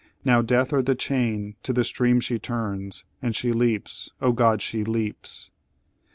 Now, death or the chain! to the stream she turns, And she leaps! O God, she leaps!